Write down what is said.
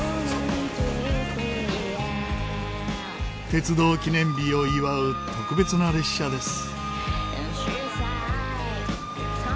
鉄道記念日を祝う特別な列車です。